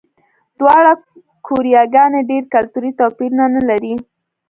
دواړه کوریاګانې ډېر کلتوري توپیرونه نه لري.